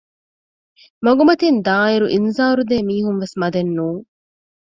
މަގުމަތިން ދާއިރު އިންޒާރު ދޭ މީހުން ވެސް މަދެއް ނޫން